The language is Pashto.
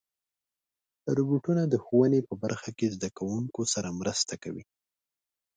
روبوټونه د ښوونې په برخه کې زدهکوونکو سره مرسته کوي.